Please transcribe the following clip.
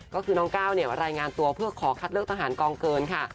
ก็คือน้องก้าวรายงานตัวเพื่อขอคัดเลือกทหารกองเกินค่ะ